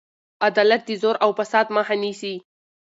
عدالت د زور او فساد مخه نیسي.